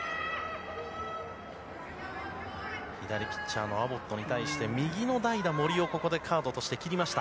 左ピッチャーのアボットに対して右の代打、森をここでカードとして切りました。